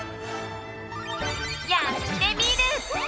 「やってみる。」。